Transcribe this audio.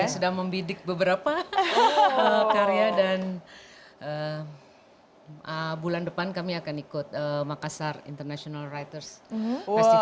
sedang membidik beberapa karya dan bulan depan kami akan ikut makassar international writers festival